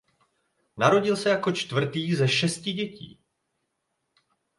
Narodil se jako čtvrtý ze šesti dětí.